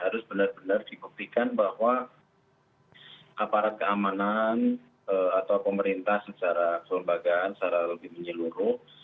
harus benar benar dibuktikan bahwa aparat keamanan atau pemerintah secara kelembagaan secara lebih menyeluruh